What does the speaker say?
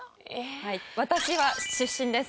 私は出身です。